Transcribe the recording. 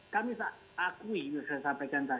kami akui yang saya sampaikan tadi